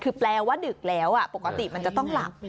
คือแปลว่าดึกแล้วปกติมันจะต้องหลับ